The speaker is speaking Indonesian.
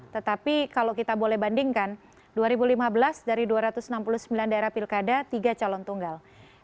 tetapi kalau kita boleh bandingkan dua ribu lima belas dari dua ratus enam puluh sembilan daerah pilkada tiga calon tunggal